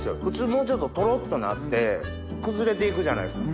もうちょっとトロっとなって崩れていくじゃないですか